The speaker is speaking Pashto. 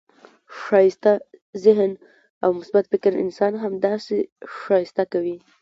ښایسته ذهن او مثبت فکر انسان همداسي ښایسته کوي.